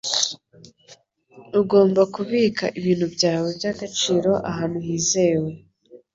Ugomba kubika ibintu byawe by'agaciro ahantu hizewe.